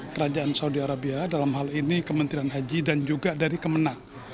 kerajaan saudi arabia dalam hal ini kementerian haji dan juga dari kemenang